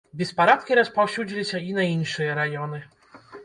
Беспарадкі распаўсюдзіліся і на іншыя раёны.